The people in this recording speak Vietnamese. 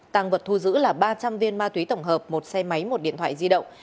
tăng vật thu giữ là ba trăm linh viên ma túy tổng hợp một xe máy một điện thoại di động